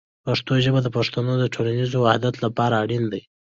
پښتو ژبه د پښتنو د ټولنیز وحدت لپاره اړینه ده.